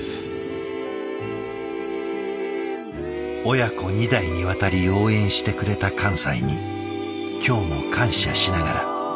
親子２代にわたり応援してくれた寛斎に今日も感謝しながら。